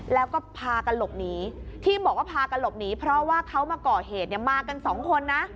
แล้วก็พากันหลบหนีที่บอกว่าพากันหลบหนีเพราะว่าเขามาก่อเหตุเนี่ยมากันสองคนนะ